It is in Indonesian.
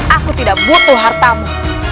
aku tidak butuh hartamu